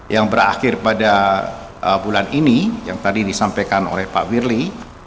yang berakhir pada bulan ini yang tadi disampaikan oleh pak firly